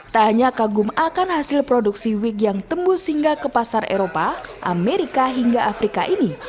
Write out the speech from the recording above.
tak hanya kagum akan hasil produksi wig yang tembus hingga ke pasar eropa amerika hingga afrika ini